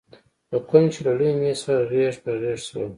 په کونج کې له لوی مېز څخه غېږ په غېږ شول.